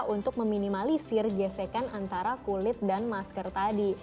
untuk meminimalisir gesekan antara kulit dan masker tadi